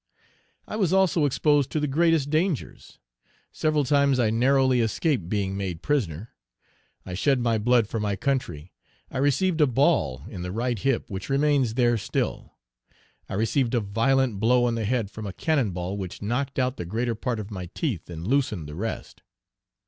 I was also exposed to the greatest dangers; several times I narrowly escaped being made prisoner; I shed my blood for my country; I received a ball in the right hip which remains there still; I received a violent blow on the head from a cannon ball, which knocked out Page 325 the greater part of my teeth, and loosened the rest.